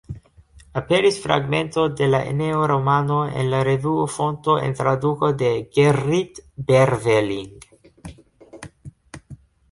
Aperis fragmento de la "Eneo-romano" en la revuo Fonto en traduko de Gerrit Berveling.